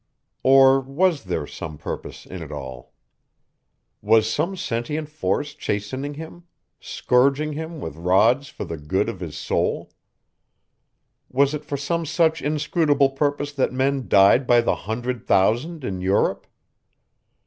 Or was there some purpose in it all? Was some sentient force chastening him, scourging him with rods for the good of his soul? Was it for some such inscrutable purpose that men died by the hundred thousand in Europe?